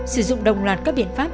sử dụng đồng loạt các biện pháp